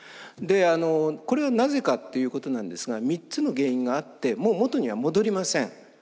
でこれがなぜかっていうことなんですが３つの原因があってもう元には戻りません。